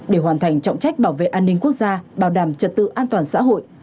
để hoàn thành trọng trách bảo vệ an ninh quốc gia bảo đảm trật tự an toàn xã hội